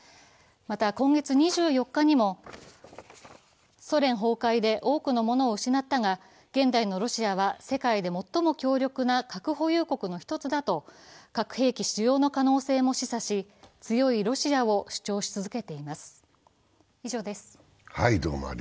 また今月２４日にもソ連崩壊で多くのものを失ったが、現代のロシアは世界で最も強力な核保有国の１つだと、強いロシアを主張し続けています。